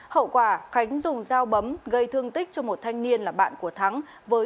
hậu quả khánh dùng dao bấm gây thương tích cho một thanh niên là bạn của thắng